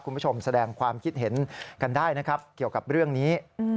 คุณผู้ชมแสดงความคิดเห็นกันได้นะครับเกี่ยวกับเรื่องนี้